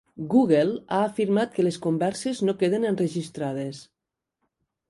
Google ha afirmat que les converses no queden enregistrades